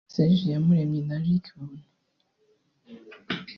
Serge Iyamuremye na Luc Buntu